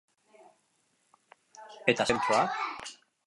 Eta zeuk, probatu duzu OpenTrad?